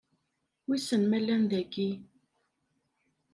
Wissen ma llan dagi?